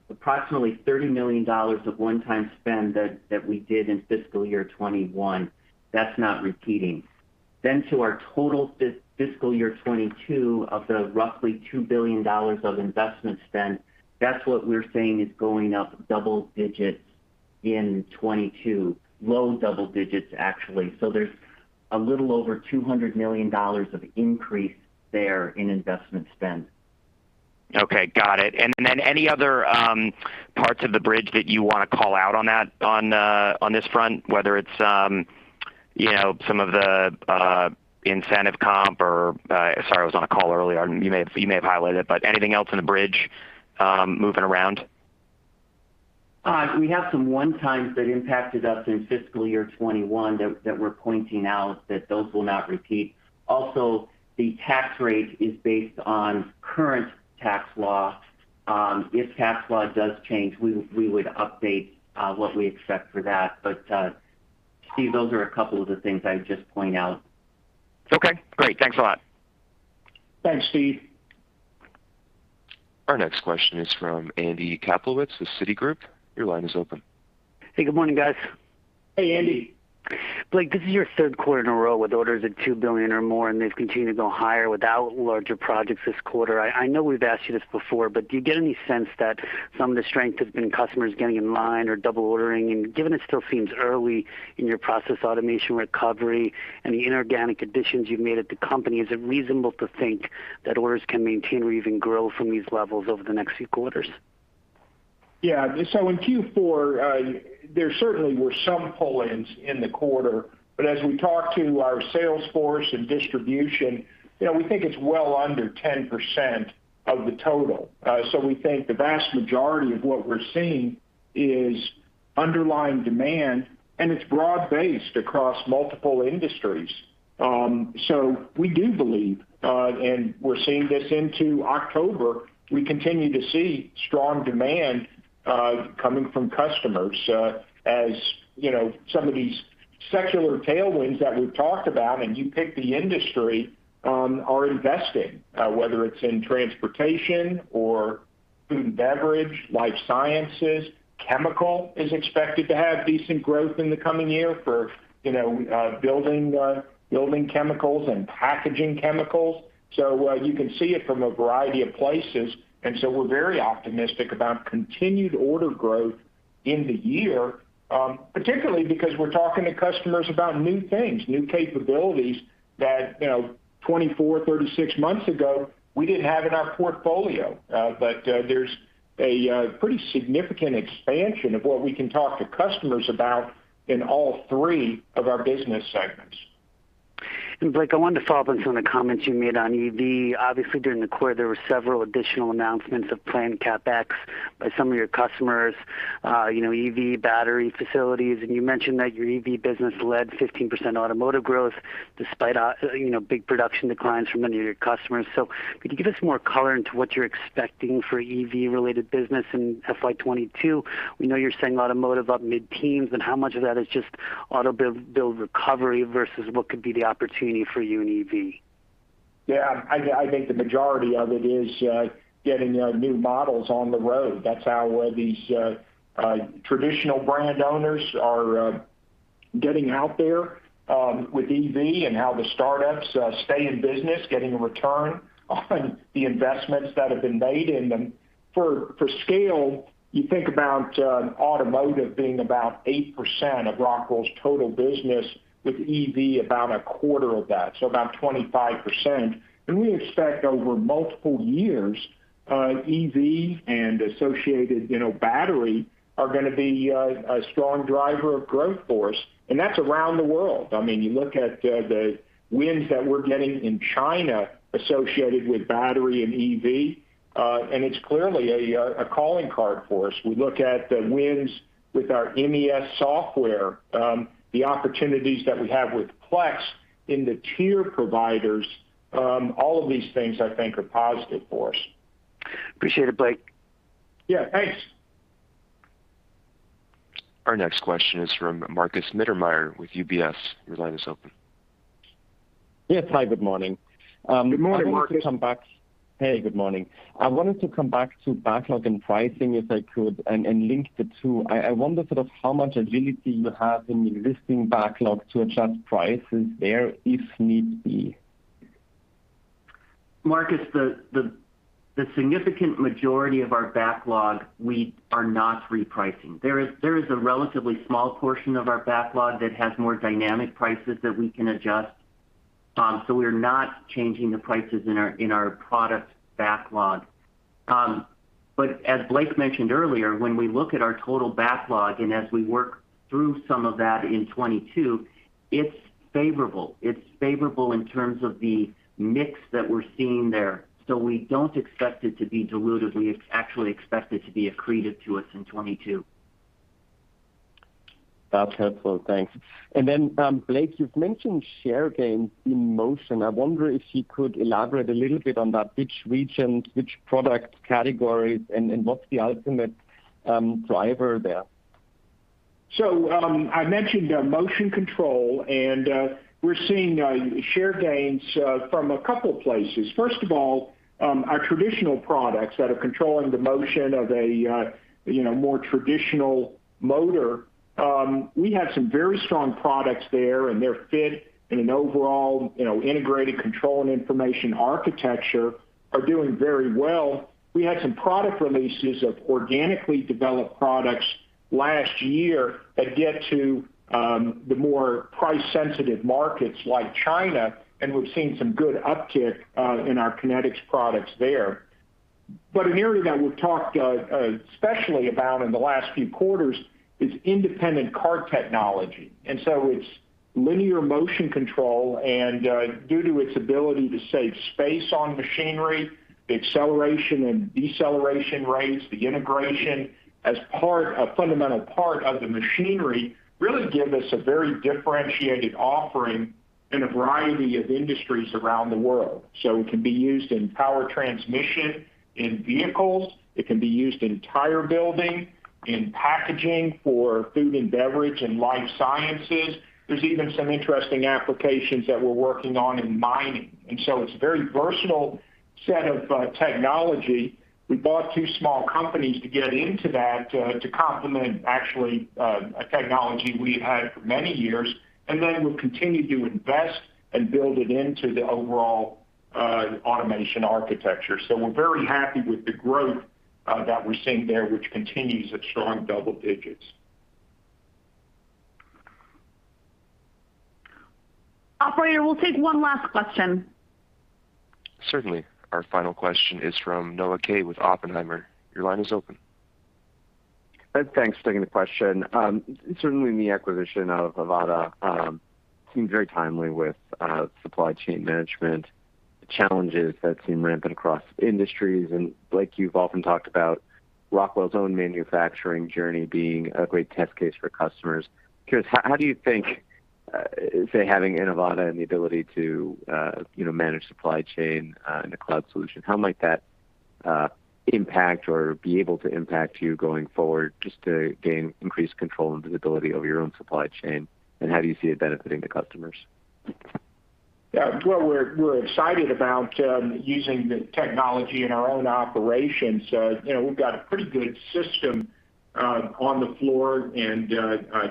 approximately $30 million of 1x spend that we did in fiscal year 2021. That's not repeating. To our total fiscal year 2022 of the roughly $2 billion of investment spend, that's what we're seeing is going up double digits in 2022. Low double digits actually. There's a little over $200 million of increase there in investment spend. Okay, got it. Any other parts of the bridge that you wanna call out on this front, whether it's you know, some of the incentive comp or. Sorry, I was on a call earlier. You may have highlighted it. Anything else in the bridge moving around? We have some 1x items that impacted us in fiscal year 2021 that we're pointing out that those will not repeat. Also, the tax rate is based on current tax law. If tax law does change, we would update what we expect for that. Steve, those are a couple of the things I'd just point out. Okay, great. Thanks a lot. Thanks, Steve. Our next question is from Andy Kaplowitz with Citigroup. Your line is open. Hey, good morning, guys. Hey, Andy. Blake, this is your third quarter in a row with orders of $2 billion or more, and they've continued to go higher without larger projects this quarter. I know we've asked you this before, but do you get any sense that some of the strength has been customers getting in line or double ordering? Given it still seems early in your process automation recovery and the inorganic additions you've made at the company, is it reasonable to think that orders can maintain or even grow from these levels over the next few quarters? Yeah. In Q4, there certainly were some pull-ins in the quarter. As we talk to our sales force and distribution, you know, we think it's well under 10% of the total. We think the vast majority of what we're seeing is underlying demand, and it's broad-based across multiple industries. We do believe, and we're seeing this into October, we continue to see strong demand coming from customers, as, you know, some of these secular tailwinds that we've talked about, and you pick the industry, are investing, whether it's in transportation or food and beverage, life sciences, chemical. Chemical is expected to have decent growth in the coming year for, you know, building chemicals and packaging chemicals. You can see it from a variety of places. We're very optimistic about continued order growth in the year, particularly because we're talking to customers about new things, new capabilities that, you know, 24, 36 months ago, we didn't have in our portfolio. But there's a pretty significant expansion of what we can talk to customers about in all three of our business segments. Blake, I wanted to follow up on some of the comments you made on EV. Obviously, during the quarter, there were several additional announcements of planned CapEx by some of your customers, EV battery facilities. You mentioned that your EV business led 15% automotive growth despite big production declines from many of your customers. Could you give us more color into what you're expecting for EV-related business in FY 2022? We know you're saying automotive up mid-teens, and how much of that is just auto build recovery versus what could be the opportunity for you in EV? Yeah. I think the majority of it is getting new models on the road. That's how these traditional brand owners are getting out there with EV and how the startups stay in business, getting a return on the investments that have been made in them. For scale, you think about automotive being about 8% of Rockwell's total business, with EV about a quarter of that, so about 25%. We expect over multiple years EV and associated, you know, battery are gonna be a strong driver of growth for us, and that's around the world. I mean, you look at the wins that we're getting in China associated with battery and EV, and it's clearly a calling card for us. We look at the wins with our MES software, the opportunities that we have with Plex in the tier providers. All of these things I think are positive for us. Appreciate it, Blake. Yeah, thanks. Our next question is from Markus Mittermaier with UBS. Your line is open. Yes. Hi, good morning. Good morning, Markus. Hey, good morning. I wanted to come back to backlog and pricing, if I could, and link the two. I wonder sort of how much agility you have in existing backlog to adjust prices there if need be? Markus, the significant majority of our backlog we are not repricing. There is a relatively small portion of our backlog that has more dynamic prices that we can adjust. We're not changing the prices in our product backlog. As Blake mentioned earlier, when we look at our total backlog and as we work through some of that in 2022, it's favorable. It's favorable in terms of the mix that we're seeing there. We don't expect it to be dilutive. We actually expect it to be accretive to us in 2022. That's helpful. Thanks. Blake, you've mentioned share gains in motion. I wonder if you could elaborate a little bit on that, which region, which product categories, and what's the ultimate driver there? I mentioned motion control and we're seeing share gains from a couple places. First of all, our traditional products that are controlling the motion of a you know more traditional motor, we have some very strong products there and their fit in an overall you know integrated control and information architecture are doing very well. We had some product releases of organically developed products last year that get to the more price sensitive markets like China, and we've seen some good uptick in our Kinetix products there. An area that we've talked especially about in the last few quarters is independent cart technology. It's linear motion control and due to its ability to save space on machinery, the acceleration and deceleration rates, the integration as part, a fundamental part of the machinery really give us a very differentiated offering in a variety of industries around the world. So it can be used in power transmission in vehicles. It can be used in tire building, in packaging for food and beverage and life sciences. There's even some interesting applications that we're working on in mining. It's a very versatile set of technology. We bought two small companies to get into that, to complement actually a technology we had for many years, and then we'll continue to invest and build it into the overall automation architecture. So we're very happy with the growth that we're seeing there, which continues at strong double digits. Operator, we'll take one last question. Certainly. Our final question is from Noah Kaye with Oppenheimer. Your line is open. Thanks. Thanks for taking the question. Certainly the acquisition of AVATA seems very timely with supply chain management challenges that seem rampant across industries. Blake, you've often talked about Rockwell's own manufacturing journey being a great test case for customers. Curious, how do you think, say having AVATA and the ability to, you know, manage supply chain in a cloud solution, how might that impact or be able to impact you going forward just to gain increased control and visibility over your own supply chain? How do you see it benefiting the customers? Yeah. Well, we're excited about using the technology in our own operations. You know, we've got a pretty good system on the floor and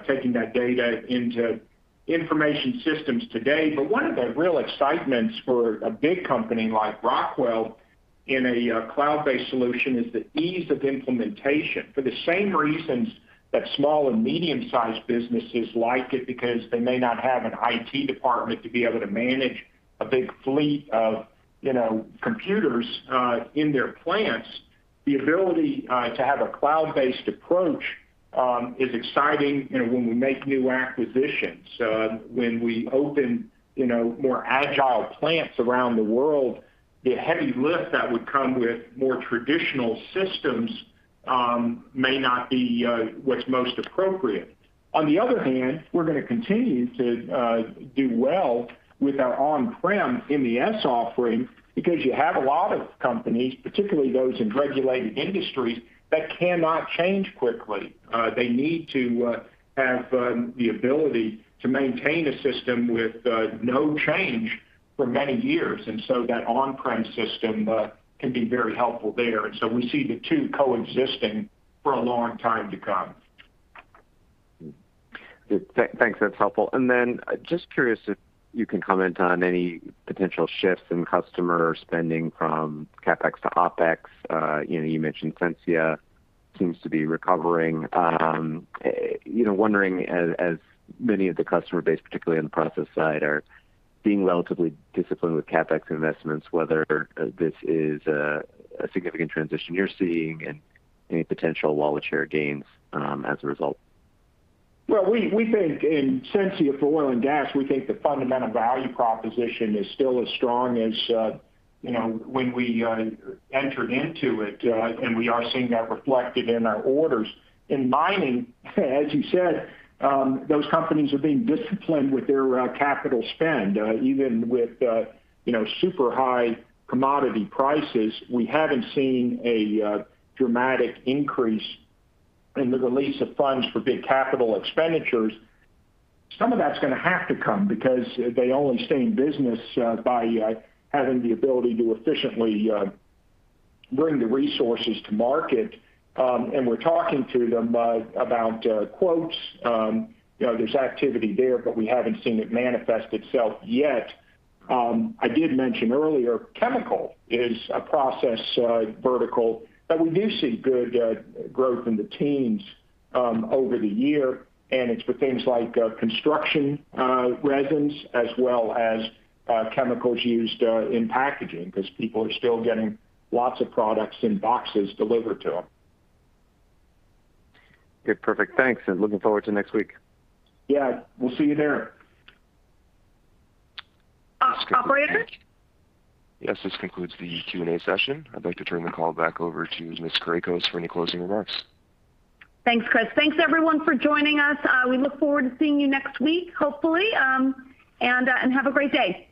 taking that data into information systems today. One of the real excitements for a big company like Rockwell in a cloud-based solution is the ease of implementation. For the same reasons that small and medium-sized businesses like it because they may not have an IT department to be able to manage a big fleet of, you know, computers in their plants, the ability to have a cloud-based approach is exciting, you know, when we make new acquisitions. When we open, you know, more agile plants around the world, the heavy lift that would come with more traditional systems may not be what's most appropriate. On the other hand, we're gonna continue to do well with our on-prem MES offering because you have a lot of companies, particularly those in regulated industries, that cannot change quickly. They need to have the ability to maintain a system with no change for many years. That on-prem system can be very helpful there. We see the two coexisting for a long time to come. Good. Thanks. That's helpful. Just curious if you can comment on any potential shifts in customer spending from CapEx to OpEx. You know, you mentioned Sensia seems to be recovering. You know, wondering as many of the customer base, particularly on the process side, are being relatively disciplined with CapEx investments, whether this is a significant transition you're seeing and any potential wallet share gains as a result. We think in Sensia for oil and gas the fundamental value proposition is still as strong as you know when we entered into it and we are seeing that reflected in our orders. In mining, as you said, those companies are being disciplined with their capital spend. Even with super high commodity prices, we haven't seen a dramatic increase in the release of funds for big capital expenditures. Some of that's gonna have to come because they only stay in business by having the ability to efficiently bring the resources to market. We're talking to them about quotes. You know, there's activity there, but we haven't seen it manifest itself yet. I did mention earlier chemicals is a process vertical that we do see good growth in the teens over the year, and it's for things like construction, resins as well as chemicals used in packaging, 'cause people are still getting lots of products in boxes delivered to them. Good. Perfect. Thanks, and looking forward to next week. Yeah. We'll see you there. Operator? Yes, this concludes the Q&A session. I'd like to turn the call back over to Ms. Kourakos for any closing remarks. Thanks, Chris. Thanks everyone for joining us. We look forward to seeing you next week, hopefully. Have a great day.